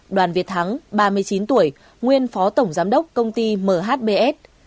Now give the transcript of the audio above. đoàn việt thắng ba mươi chín tuổi nguyên phó tổng giám đốc công ty mhbs